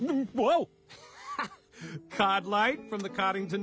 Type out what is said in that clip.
オ！